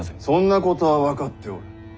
そんなことは分かっておる。